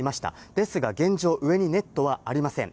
ですが現状、上にネットはありません。